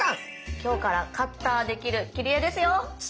今日からカッターで切る切り絵ですよ。